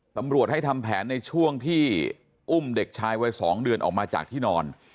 ตำรวจให้ทำแผนในช่วงที่อุ้มเด็กชายวัย๒เดือนออกมาจากที่นอน